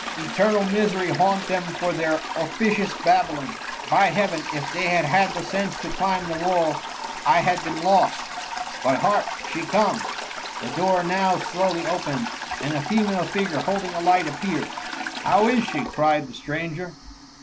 Eternal misery haunt them for their officious babbling ! By heaven ! if they had had the sense to climb the wall, I had been lost : but hark, she comes I*^ The door now slowly opened, and a female figure holding a light appeared. *^ How is she ?*' cried the stranger.